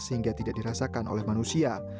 sehingga tidak dirasakan oleh manusia